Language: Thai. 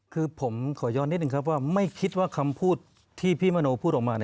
คือผมขอย้อนนิดนึงครับว่าไม่คิดว่าคำพูดที่พี่มโนพูดออกมา